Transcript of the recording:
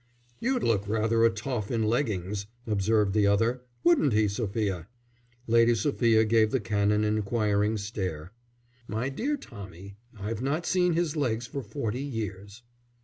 "You'd look rather a toff in leggings," observed the other. "Wouldn't he, Sophia?" Lady Sophia gave the Canon an inquiring stare. "My dear Tommy, I've not seen his legs for forty years."